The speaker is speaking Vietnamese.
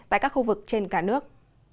tại các khu vực trên cả nước